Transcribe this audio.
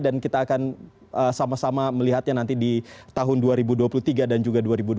dan kita akan sama sama melihatnya nanti di tahun dua ribu dua puluh tiga dan juga dua ribu dua puluh empat